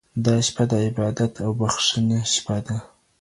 دا شپه د عبادت او بښنې شپه ده.